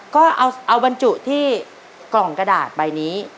ก็เอาบรรจุที่กล่องกระดาษใบนี้